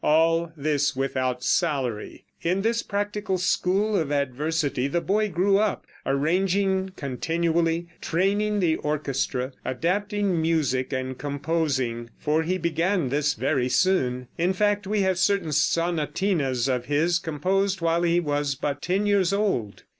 All this without salary. In this practical school of adversity the boy grew up, arranging continually, training the orchestra, adapting music and composing for he began this very soon; in fact, we have certain sonatinas of his, composed while he was but ten years old.